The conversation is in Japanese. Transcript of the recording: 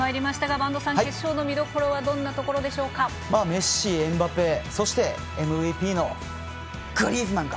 播戸さん、決勝の見どころはメッシ、エムバペそしてＭＶＰのグリーズマンか！